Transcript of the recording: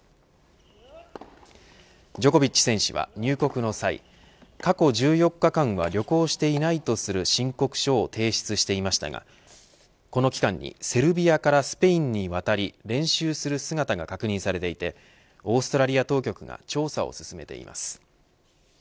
ジョコビッチ選手は入国の際過去１４日間は旅行していないとする申告書を提出していましたがこの期間にセルビアからスペインに渡り練習する姿が確認されていてオーストラリア当局が調査を進めています。